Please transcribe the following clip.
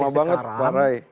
masih lama banget pak rey